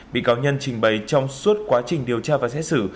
bị cáo nhân trình bày trong suốt quá trình điều tra và xét xử